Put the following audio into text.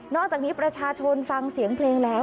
อกจากนี้ประชาชนฟังเสียงเพลงแล้ว